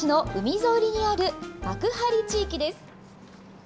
千葉市の海沿いにある幕張地域です。